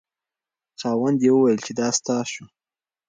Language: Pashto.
خاوند یې وویل چې دا ستا شو.